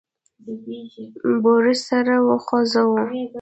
بوریس سر وخوزاوه.